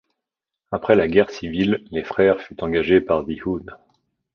Après la Guerre Civile, les Frères furent engagés par The Hood.